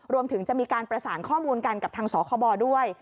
รวมถึงจะมีการประสานข้อมูลกันกับทางสคบด้วย